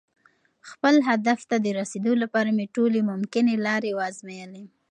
خپل هدف ته د رسېدو لپاره مې ټولې ممکنې لارې وازمویلې.